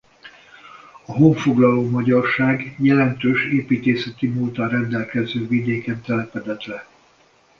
A honfoglaló magyarság jelentős építészeti múlttal rendelkező vidéken telepedett le.